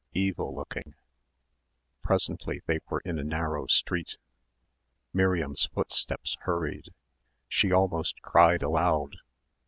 evil looking. Presently they were in a narrow street. Miriam's footsteps hurried. She almost cried aloud.